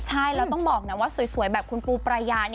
ใช่แล้วต้องบอกนะว่าสวยแบบคุณปูปรายา